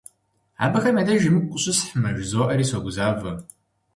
Абыхэм я деж емыкӀу къыщысхьмэ жызоӀэри согузавэ.